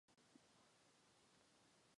Jde o obrovský střet zájmů.